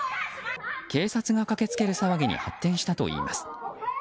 警察が駆けつける騒ぎに発展したといいます。